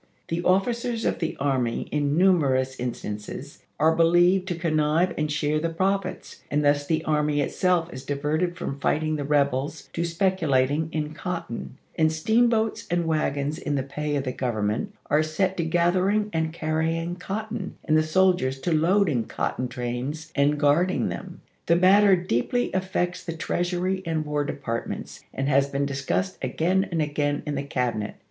The officers of the army, in numerous in stances, are believed to connive and share the profits, and thus the army itself is diverted from fighting the rebels to speculating in cotton ; and steamboats and wagons in the pay of the G overnment are set to gathering and carrying cotton, and the soldiers to loading cotton trains and guarding them. The matter deeply affects the Treasury and War Departments, and has been discussed again and again in the Cabinet.